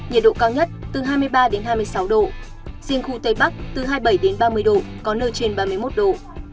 nhiệt độ cao nhất từ hai mươi ba đến hai mươi sáu độ riêng khu tây bắc từ hai mươi bảy đến ba mươi độ có nơi trên ba mươi một độ